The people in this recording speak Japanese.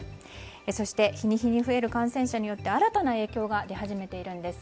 そして日に日に増える感染者によって、新たな影響が出始めているんです。